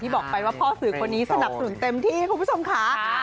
บอกไปว่าพ่อสื่อคนนี้สนับสนุนเต็มที่คุณผู้ชมค่ะ